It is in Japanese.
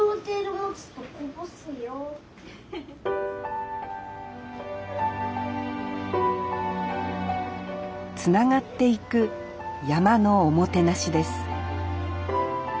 つながっていく山のおもてなしです